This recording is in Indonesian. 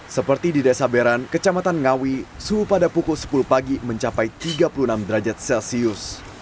seperti di desa beran kecamatan ngawi suhu pada pukul sepuluh pagi mencapai tiga puluh enam derajat celcius